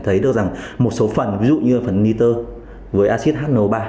thấy được rằng một số phần ví dụ như phần niter với acid hn ba